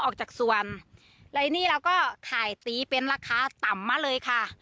ออกจากส่วนแล้วนี่เราก็ขายตีเป็นราคาต่ำมาเลยค่ะ